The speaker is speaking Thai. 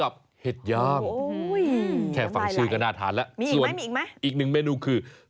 เผ็ดย้ำแค่ฟังชื่อก็น่าทานแล้วส่วนอีกหนึ่งเมนูคือมีอีกไหม